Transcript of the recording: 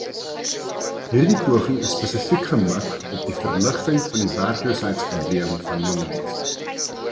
Hierdie poging is spesifiek gemik op die verligting van die werkloosheidsprobleem van jongmense.